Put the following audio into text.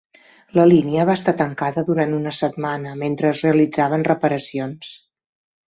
La línia va estar tancada durant una setmana mentre es realitzaven reparacions.